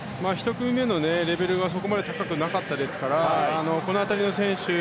１組目のレベルがそこまで高くなかったですからこの辺りの選手